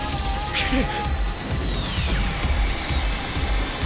くっ！